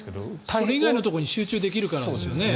それ以外のところに集中できるからですよね。